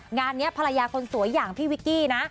งานนี้ภรรยาคนสวยอย่างพี่วิกกี้นะ